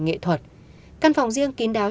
nghệ thuật căn phòng riêng kín đáo